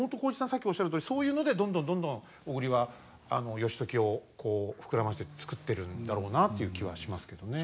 さっきおっしゃるとおりそういうのでどんどんどんどん小栗は義時を膨らまして作ってるんだろうなという気はしますけどね。